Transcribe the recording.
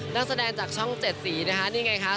นักแสดงจากช่อง๗สีนะคะนี่ไงคะ